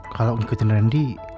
kalau ikutin randy